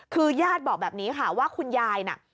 คือญาติบอกแบบนี้ค่ะว่าคุณยายน่ะ